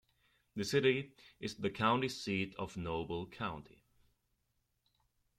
The city is the county seat of Noble County.